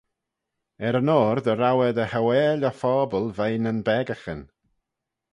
Er-yn-oyr dy row eh dy hauail e phobble veih nyn beccaghyn.